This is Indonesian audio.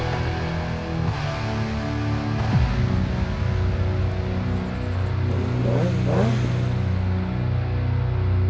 kalo kayaknya kamu udah luar padan calon